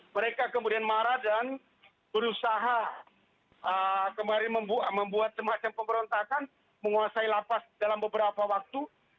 mereka kemudian marah dan berusaha kemarin membuat semacam pemberontakan menguasai lapas dalam beberapa waktu